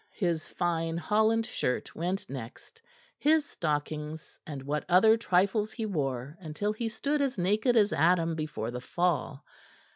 His fine Holland shirt went next, his stockings and what other trifles he wore, until he stood as naked as Adam before the fall.